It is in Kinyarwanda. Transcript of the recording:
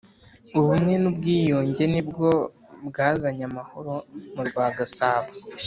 Ubumwe nubwiyunjye nibwo bwazanye amahoro murwa gasabo